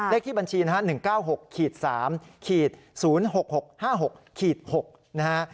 เลขที่บัญชีนะฮะ๑๙๖๓๐๖๖๕๖๖นะฮะ